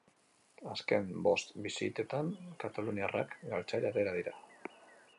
Azken bost bisitetan, kataluniarrak galtzaile atera dira.